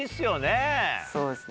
そうですね